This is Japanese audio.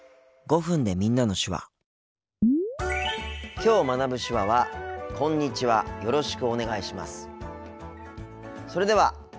きょう学ぶ手話はそれでは。